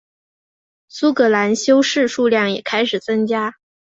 苏格兰修士数量也开始增加。